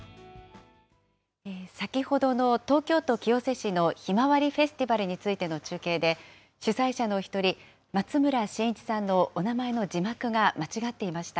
先ほどの東京都清瀬市のひまわりフェスティバルについての中継で、主催者の一人、松村新一さんのお名前の字幕が間違っていました。